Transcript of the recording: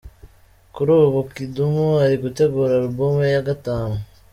Kuri ubu Kidum ari gutegura Album ye ya gatanu.